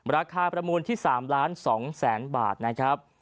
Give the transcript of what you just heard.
ราคาประมูลที่๓๒ล้านบาทนะครับ